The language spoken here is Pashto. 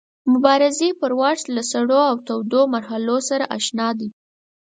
مبارزې پر واټ له سړو او تودو مرحلو سره اشنا دی.